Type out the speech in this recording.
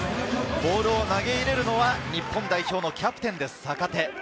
ボールを投げ入れるのは日本代表のキャプテンです、坂手。